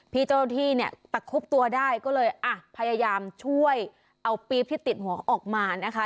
พี่เจ้าหน้าที่เนี่ยตะคุบตัวได้ก็เลยอ่ะพยายามช่วยเอาปี๊บที่ติดหัวออกมานะคะ